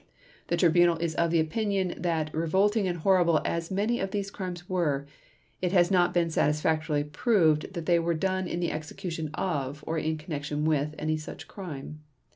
The Tribunal is of the opinion that revolting and horrible as many of these crimes were, it has not been satisfactorily proved that they were done in execution of, or in connection with, any such crime.